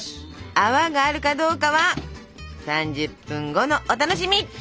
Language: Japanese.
泡があるかどうかは３０分後のお楽しみ！